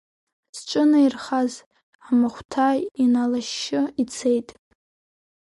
Зҿынеирхаз амахәҭа иналашьшьы ицеит.